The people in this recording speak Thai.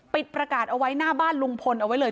ประกาศเอาไว้หน้าบ้านลุงพลเอาไว้เลย